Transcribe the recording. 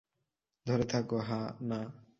ধরে থাকো, হা-না!